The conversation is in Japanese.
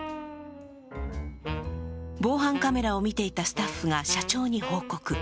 防犯カメラを見ていたスタッフが社長に報告。